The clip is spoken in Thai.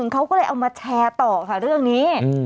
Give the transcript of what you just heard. เขาก็เลยเอามาแชร์ต่อค่ะเรื่องนี้